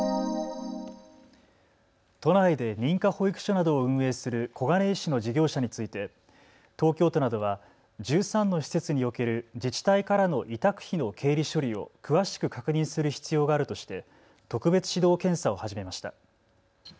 都内で認可保育所などを運営する小金井市の事業者について東京都などは１３の施設における自治体からの委託費の経理処理を詳しく確認する必要があるとして特別指導検査を始めました。